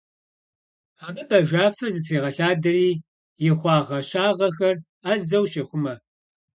Абы бажафэ зытрегъэлъадэри и хъуагъэщагъэхэр ӏэзэу щӏехъумэ.